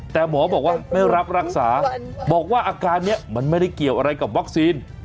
แต่หมอบอกว่าไม่รับรักษาบอกว่าอาการนี้มันไม่ได้เกี่ยวอะไรกับวัคซีน